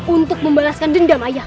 untuk membalaskan dendam ayahku